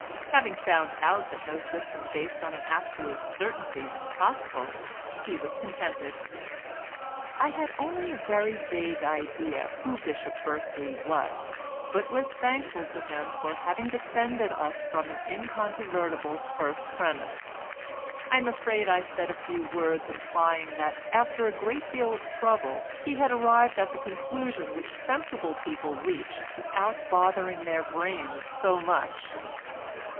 Having found out that no system based on absolute certainty was possible he was contented. I had only a very vague idea who Bishop Berkeley was, but was thankful to him for having defended us from an incontrovertible first premise. I am afraid I said a few words implying that after a great deal of trouble he had arrived at the conclusion which sensible people reach without bothering their brains so much.